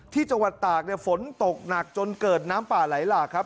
ที่จังหวัดตากฝนตกหนักจนเกิดน้ำปลาไหลหลากครับ